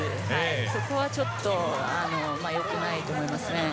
そこは、ちょっと良くないと思います。